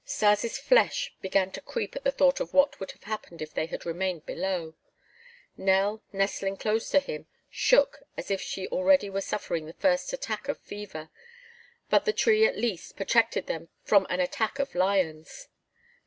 Stas' flesh began to creep at the thought of what would have happened if they had remained below. Nell, nestling close to him, shook as if she already were suffering the first attack of fever, but the tree at least protected them from an attack of lions.